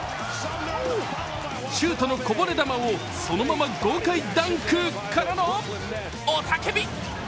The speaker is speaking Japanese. シュートのこぼれ球をそのまま豪快ダンクからの、雄たけび。